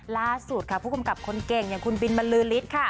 ล่าสุดค่ะผู้กำกับคนเก่งอย่างคุณบินบรรลือฤทธิ์ค่ะ